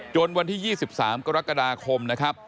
จนวันที่๒๓กรกฎาคม